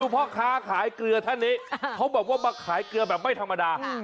พ่อค้าขายเกลือท่านนี้เขาบอกว่ามาขายเกลือแบบไม่ธรรมดา